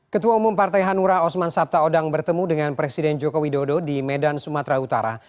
ketua umum partai hanura osman sabta odang bertemu dengan presiden joko widodo di medan sumatera utara